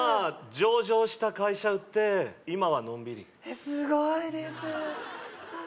上場した会社売って今はのんびりすごいですあっ